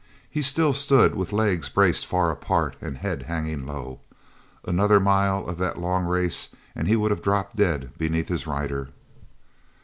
He still stood with legs braced far apart, and head hanging low. Another mile of that long race and he would have dropped dead beneath his rider.